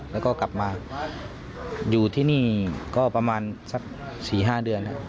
แล้วก็กลับมาอยู่ที่นี่ก็ประมาณสัก๔๕เดือน